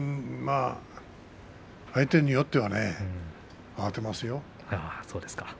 相手によってはね慌てますよ。